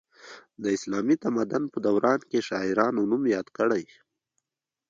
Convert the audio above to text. د اسلامي تمدن په دوران کې شاعرانو نوم یاد کړی.